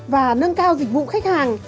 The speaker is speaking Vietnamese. và nâng cao dịch vụ khách hàng